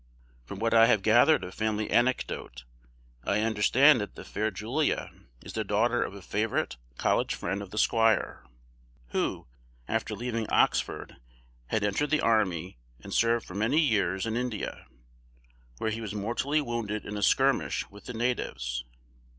From what I have gathered of family anecdote, I understand that the fair Julia is the daughter of a favourite college friend of the squire; who, after leaving Oxford, had entered the army, and served for many years in India, where he was mortally wounded in a skirmish with the natives.